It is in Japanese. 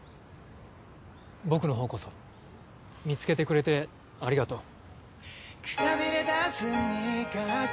僕の方こそ見つけてくれてありがとう。